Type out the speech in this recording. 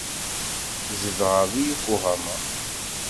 Zedɣeɣ deg Yokohama.